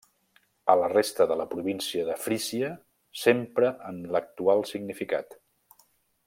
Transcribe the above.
A la resta de la província de Frísia s'empra amb l'actual significat.